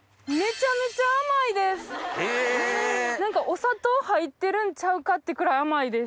お砂糖入ってるんちゃうかってくらい甘いです。